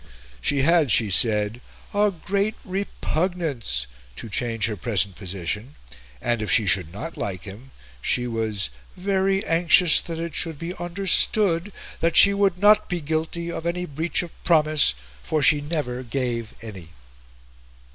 She had, she said, "a great repugnance" to change her present position; and, if she should not like him, she was "very anxious that it should be understood that she would not be guilty of any breach of promise, for she never gave any."